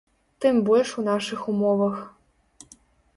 Тым больш у нашых умовах.